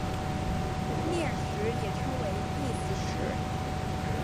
念食也称为意思食。